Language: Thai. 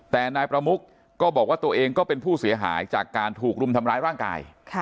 แต่นายประมุกก็บอกว่าตัวเองก็เป็นผู้เสียหายจากการถูกรุมทำร้ายร่างกาย